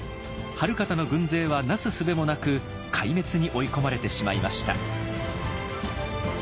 晴賢の軍勢はなすすべもなく壊滅に追い込まれてしまいました。